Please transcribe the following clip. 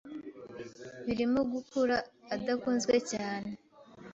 birimo gukura adakunzwe cyane